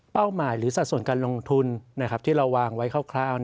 หมายหรือสัดส่วนการลงทุนที่เราวางไว้คร่าว